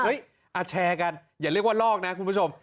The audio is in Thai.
แชร์กันอย่าเรียกว่าลอกนะคุณผู้ชม